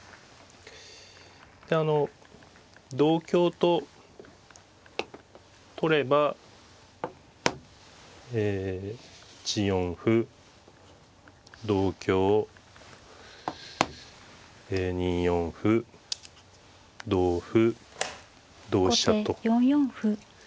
であの同香と取ればえ１四歩同香２四歩同歩同飛車と。